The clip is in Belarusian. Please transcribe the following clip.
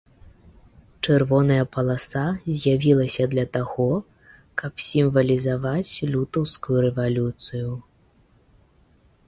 Чырвоная паласа з'явілася для таго, каб сімвалізаваць лютаўскую рэвалюцыю.